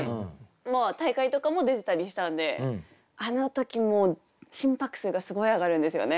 もう大会とかも出てたりしたんであの時もう心拍数がすごい上がるんですよね。